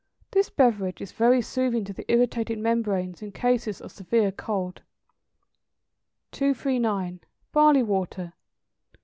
This beverage is very soothing to the irritated membranes in cases of severe cold. 239. =Barley Water.